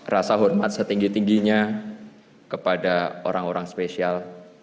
rasa hormat setinggi tingginya kepada orang orang spesial